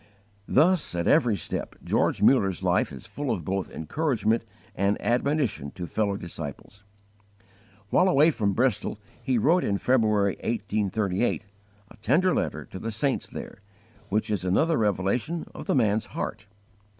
Thus, at every step, George Mullers life is full of both encouragement and admonition to fellow disciples. While away from Bristol he wrote in February, 1838, a tender letter to the saints there, which is another revelation of the man's heart.